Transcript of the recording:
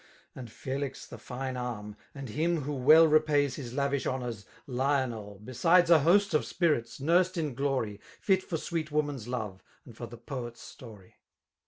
And Felix the Fine Arm, and him who weU Repays his lavish honours, Lionel^ Besides a host, of spirits, nursed in glory. Fit for sweet woman's love and for the poet^s story.